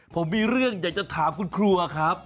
ผมมีเรื่องอยากจะถามคุณครัวครับ